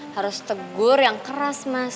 harus tegur yang keras mas